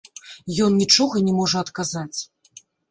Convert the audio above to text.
Ён нічога не можа адказаць.